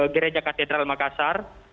gereja katedral makassar